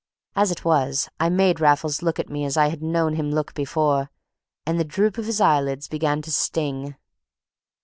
As it was I made Raffles look at me as I had known him look before, and the droop of his eyelids began to sting.